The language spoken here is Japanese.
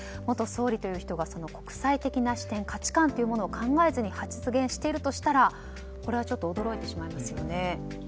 元総理という人がその国際的な視点価値観というものを考えずに発言しているとしたらこれはちょっと驚いてしまいますよね。